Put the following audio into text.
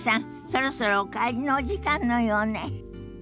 そろそろお帰りのお時間のようね。